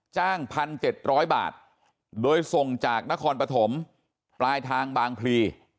จ้างพันเจ็ดร้อยบาทโดยส่งจากนครปฐมปลายทางบางพลี